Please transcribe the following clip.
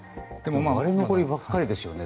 割れ残りばかりですよね